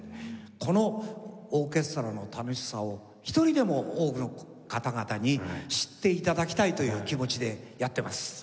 このオーケストラの楽しさを１人でも多くの方々に知って頂きたいという気持ちでやってます。